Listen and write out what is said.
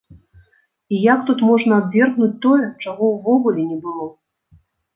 І як тут можна абвергнуць тое, чаго ўвогуле не было?